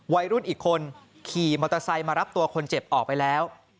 วัยรุ่นอีกคนขี่มอเตอร์ไซค์มารับตัวคนเจ็บออกไปแล้ว